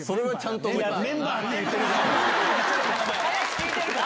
いや、メンバーって言ってるから。